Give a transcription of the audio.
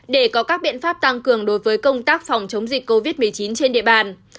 để có các biện pháp tăng cường đối với công tác phòng chống dịch covid một mươi chín trên địa bàn